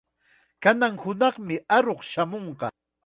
Kanan hunaqmi aruq shamunqa.